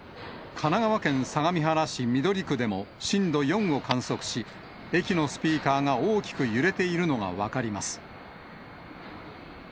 神奈川県相模原市緑区でも、震度４を観測し、駅のスピーカーが大きく揺れているのが分かります。